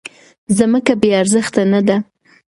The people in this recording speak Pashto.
ځمکه بې ارزښته نه ده.